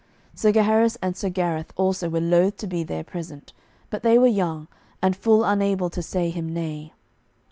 Sir Gaheris and Sir Gareth also were loath to be there present, but they were young, and full unable to say him nay.